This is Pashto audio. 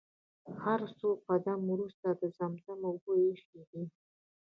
هر څو قدمه وروسته د زمزم اوبه ايښي دي.